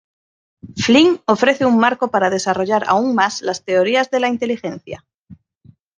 Flynn ofrece un marco para desarrollar aún más las teorías de la inteligencia.